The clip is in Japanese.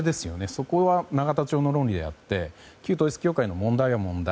そこは永田町の論理であって旧統一教会の問題は問題。